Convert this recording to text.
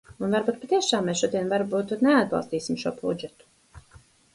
Un varbūt patiešām mēs šodien varbūt neatbalstīsim šo budžetu.